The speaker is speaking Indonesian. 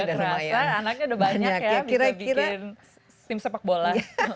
tidak terasa anaknya sudah banyak ya bisa bikin tim sepak bola